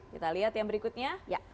kita lihat yang berikutnya